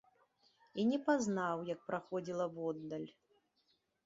І не пазнаў, як праходзіла воддаль.